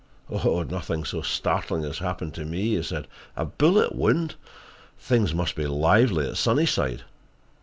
"Nothing so startling has happened to me," he said. "A bullet wound! Things must be lively at Sunnyside."